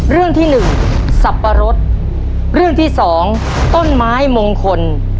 เรื่องที่หนึ่งสับปะรดเรื่องที่สองต้นไม้มงคล